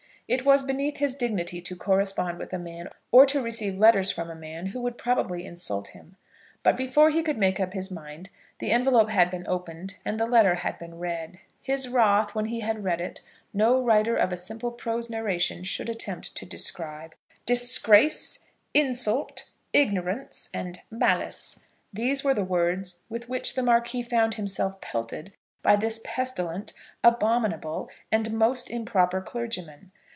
It was beneath his dignity to correspond with a man, or to receive letters from a man who would probably insult him. But before he could make up his mind, the envelope had been opened, and the letter had been read. His wrath, when he had read it, no writer of a simple prose narration should attempt to describe. "Disgrace," "insult," "ignorance," and "malice," these were the words with which the Marquis found himself pelted by this pestilent, abominable, and most improper clergyman.